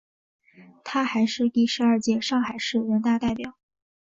她还是第十二届上海市人大代表。